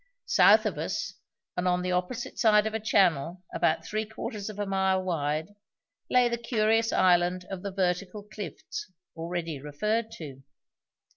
South of us, and on the opposite side of a channel about three quarters of a mile wide, lay the curious island of the vertical cliffs, already referred to.